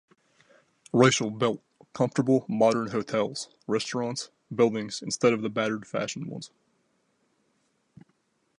Reischl built comfortable, modern hotels, restaurants, buildings instead of the battered fashioned ones.